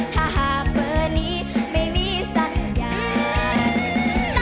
ถ้าหากเบอร์นี้ไม่มีสัญญาณ